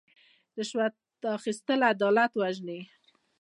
رشوت اخیستل عدالت وژني.